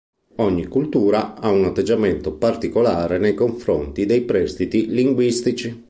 Ogni cultura ha un atteggiamento particolare nei confronti dei prestiti linguistici.